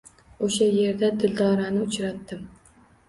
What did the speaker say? Oʻsha yerda Dildorani uchratdim.